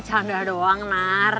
canda doang nar